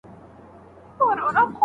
مهرباني وکړئ زموږ سره ډېر اتڼ وړاندي کړئ.